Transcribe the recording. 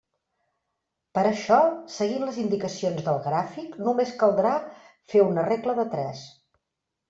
Per a això, seguint les indicacions del gràfic, només caldrà fer una regla de tres.